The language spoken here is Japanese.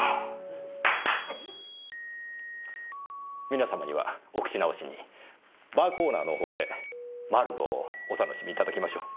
皆様にはお口直しにバーコーナーのほうで「マルゴー」をお楽しみいただきましょう。